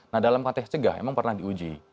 nah dalam konteks cegah memang pernah diuji